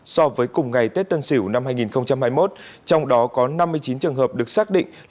so với cùng ngày tết tân sửu năm hai nghìn hai mươi một trong đó có năm mươi chín trường hợp được xác định